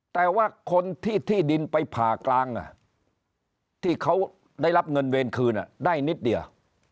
แต่ว่าคนที่ที่ดินไปผ่ากลางที่เขาได้รับเงินเวรคืนได้นิดเดียว